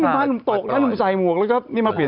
มาอยู่อย่างนี้เลย